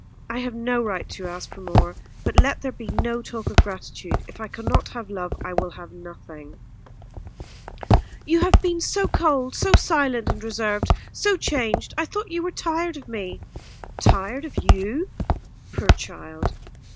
I have no right to ask for more but let there be no talk of gratitude if I cannot have love I will have nothing." "You have been so cold, so silent and reserved, so changed. I thought you were tired of me." "Tired of you? Poor child!